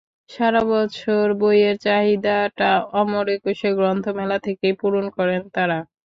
সারা বছর বইয়ের চাহিদাটা অমর একুশে গ্রন্থমেলা থেকেই পূরণ করেন তাঁরা।